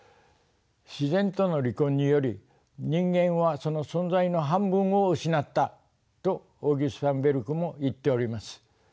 自然との離婚により「人間はその存在の半分を失った」とオギュスタン・ベルクも言っております。